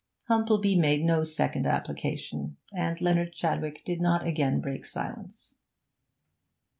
Humplebee made no second application, and Leonard Chadwick did not again break silence.